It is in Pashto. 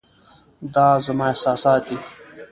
دا زما احساسات دي .